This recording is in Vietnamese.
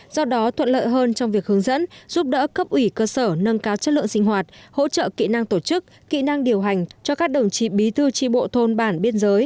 do đó thuận lợi hơn trong việc hướng dẫn giúp đỡ cấp ủy cơ sở nâng cao chất lượng sinh hoạt hỗ trợ kỹ năng tổ chức kỹ năng điều hành cho các đồng chí bí thư tri bộ thôn bản biên giới